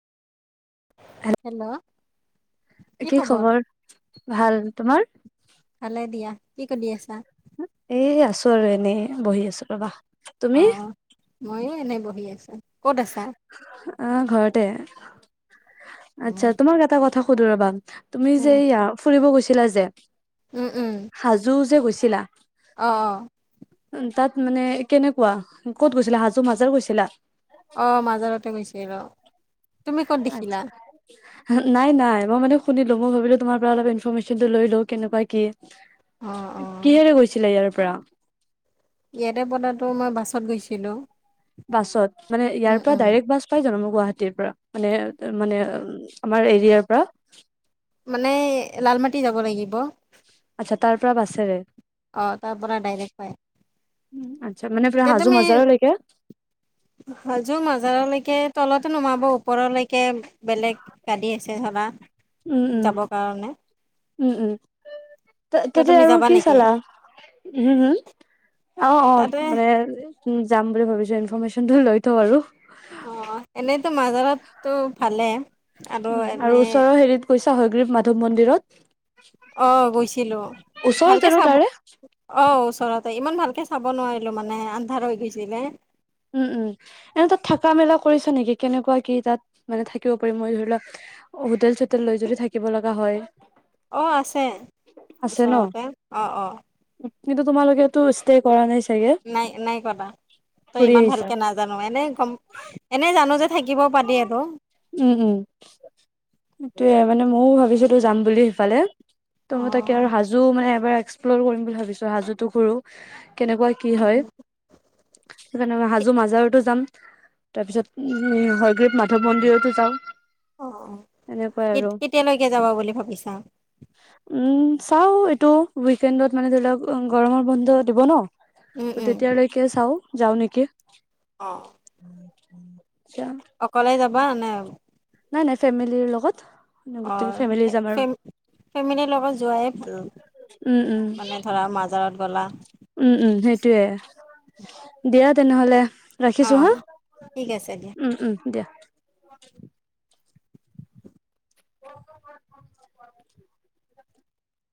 হেল hello কি খবৰ ভাল তোমাৰ ভালে দিয়া কি কলি আছা? এ আছো আৰু এনেই, বহি আছো ৰবা। অ, তুমি ময়ো এনে বহি আছে আহ ঘৰতে আচ্ছা উম তোমাৰ এটা কথা সুধু ৰবা তুমি যে উম ইয়াত ফুৰিব গৈছা [unintelligible] হাজো যে গৈছে পিলা আহ অ মানে কেনেকুৱা, ক'ত গৈছিলা হাজো মাজাৰ গৈছিলা? অ' মাজাৰতে গৈছে ৰ, তুমি ক'ত আচ্ছা, দেখিলা? নাই নাই মই মানে শুনিলো মই ভাবিলো তোমাৰ পৰা অলপ ইনফৰৰ্মেশ্যনটো লৈ লো কেনেকুৱা কি অ অ কিহেৰে গৈছিলে ইয়াৰ পৰা? ঈ ইয়াতে পতাতো মই বাছত গৈছিলো বাছত, মানে উম ইয়াৰ পৰা উম ডাইৰেক্ট বাছ পাই যাবা গুৱাহাটীৰ পৰা, মানে মানে আমাৰ এৰিয়াৰ পৰা। মানে [unintelligible] যাব লাগিব। আচ্ছা তাৰ পৰা বাছেৰে। অ তাৰ পৰা ডাইৰে্ট পাই উম, আচ্ছা মানে পুৰা এতিয়া হাজো তুমি মাজাৰলৈকে হাজো মাজাৰলৈকে তলতো নমাব, ওপৰলৈকে বেলেগ গাড়ী আছে ধৰা, উম উম যাবৰ কাৰণে উম উম কিয় তাতে তুমি আৰু যাবা কি নেকি চালা হম হম অ অ তাতে মানে যাম [unintelligible] ভাবিছো, ইনফৰমেশ্যনটোই লৈ থওঁ আৰু। অ এনে মাজাৰাতটো ভালেই, আৰু উম, এনে। ওচৰৰ হেৰিত গৈছা হয়গ্ৰীব মাধৱ মন্দিৰত অ গৈছে কিলো ওচৰত ভালকে জানো চাব তাৰে? অ ওচৰতে ইমান ভালকে চাব নোৱাৰিলো মানে আন্ধাৰ হৈ গৈছিলে উম উম এনে তাত থাকা মেলা কৰিছা নেকি কেনেকুৱা কি তাত মানে থাকিব পাৰিম মই ধৰি লওক হোটেল চোটেল লৈ যদি থাকিব লগা হয় অ আছে আছে ন? ওচৰতে অ অ কিন্তু তোমালোকেেতটো ষ্টে কৰা নাই চাগে নাই নাই কটা মই ঘুৰি ইমান আহিছা ভালকে নাজানো এনে গম, এনেই আানো যে [unintelligible] থাকিব পাৰি আৰু উম, উম। সেইটোয়ে মানে ময়ও ভাবিছো তো যাম বুলি সিফালে ত অ মই তাকে আৰু হাজো মানে [unintelligible] এক্সপ্লৰ কৰিম বুলি ভাবিছোঁ, হাজোতো ঘূৰো। কেনেকুৱা কি হয় সেইকাৰণে মই হাজো মাজাৰতো যাম। তাৰ পিছত উম, হ [unintelligible] মাধৱ মন্দিৰতো যাওঁ। অ এনেকুৱাই আৰু কেতিয়ালৈকে যাবা বুলি ভাবিছা উম চাও এইটো উইকেণ্ডত মানে ধৰি লওক গৰমৰ বন্ধ দিব ন উম ত উম তেতিয়ালৈকে চাওঁ। যাও নেকি অ। [unintelligible] পলাই যাবা নে নাই নাই ফেমিলিৰ লগত অ গোটেই ফেমিলি যাম আৰু ফেমিলিৰ লগত যোৱাইয়ে উম উম মানে ধৰা মাজাৰত গ'লা উম, উম, সেইটোয়ে, দিয়া তেনেহলে। অ ৰাখিছো অ হা। ঠিক আছে দিয়া উম, উম, দিয়া। [inaudible] [inaudible]